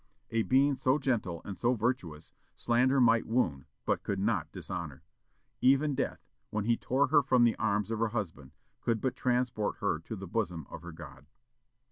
A being so gentle and so virtuous, slander might wound, but could not dishonor. Even Death, when he tore her from the arms of her husband, could but transport her to the bosom of her God."